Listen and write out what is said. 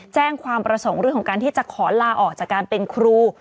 แจ้งความประสงค์เรื่องของการที่จะขอลาออกจากการเป็นครู